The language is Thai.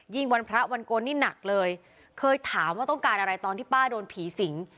วันพระวันโกนนี่หนักเลยเคยถามว่าต้องการอะไรตอนที่ป้าโดนผีสิง